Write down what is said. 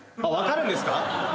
分かるんですか？